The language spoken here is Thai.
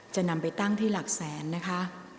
จะนำไปตั้งที่หลักแสนนะคะ